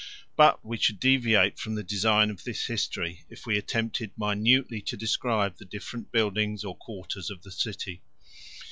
51 But we should deviate from the design of this history, if we attempted minutely to describe the different buildings or quarters of the city.